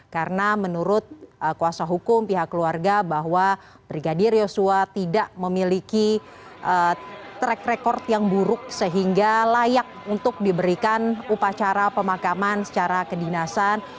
karena menurut kuasa hukum pihak keluarga bahwa brigadier yosua tidak memiliki track record yang buruk sehingga layak untuk diberikan upacara pemakaman secara kedinasan